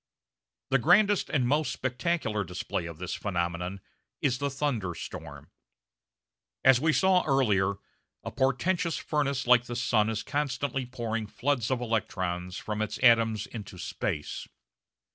The grandest and most spectacular display of this phenomenon is the thunderstorm. As we saw earlier, a portentous furnace like the sun is constantly pouring floods of electrons from its atoms into space.